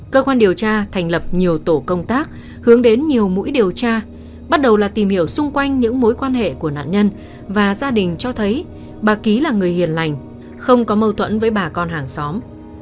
cơ quan điều tra thành lập nhiều tổ công tác hướng đến nhiều mũi điều tra bắt đầu là tìm hiểu xung quanh những mối quan hệ của nạn nhân và gia đình cho thấy bà ký là người hiền lành không có mâu thuẫn với bà con hàng xóm